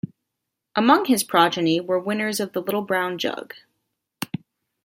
Among his progeny were winners of the Little Brown Jug.